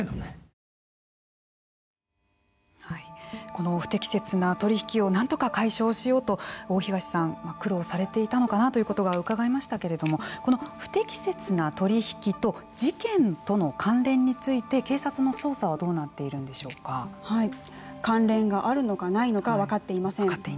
この不適切な取り引きをなんとか解消しようと大東さんは苦労されていたのかなということがうかがえましたけれどもこの不適切な取り引きと事件との関連について警察の捜査は関連があるのかないのか分かっていません。